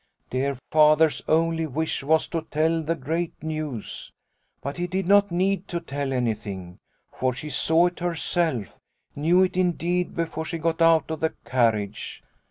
Dear Father's only wish was to tell the great news. But he did not need to tell anything, foi she saw it herself, knew it indeed before she got out of the carriage.